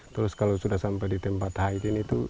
terus kalau sudah sampai di tempat hitin itu